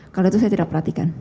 kalau itu saya tidak perhatikan